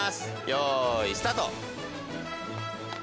よいスタート！